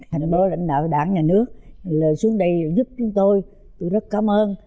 hành bố lãnh đạo đảng nhà nước xuống đây giúp chúng tôi tôi rất cảm ơn